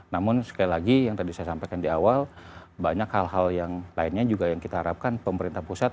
namun sekali lagi yang tadi saya sampaikan di awal banyak hal hal yang lainnya juga yang kita harapkan pemerintah pusat